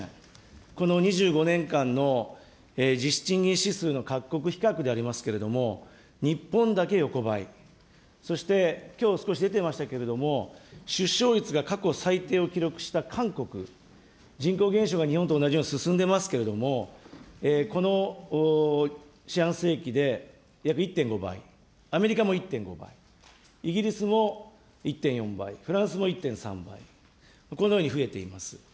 この２５年間の実質賃金指数の各国比較でありますけれども、日本だけ横ばい、そしてきょう少し出てましたけれども、出生率が過去最低を記録した韓国、人口減少が日本と同じように進んでますけれども、この四半世紀で約１．５倍、アメリカも１．５倍、イギリスも１．４倍、フランスも１．３倍、このように増えています。